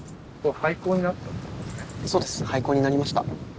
廃校になりました。